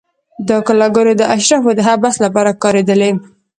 دا کلاګانې د اشرافو د حبس لپاره کارېدلې.